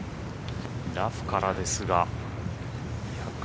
ラフからですが。